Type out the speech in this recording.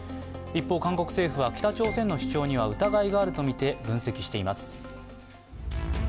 一方韓国政府は北朝鮮の主張には疑いがあるとして、分析しています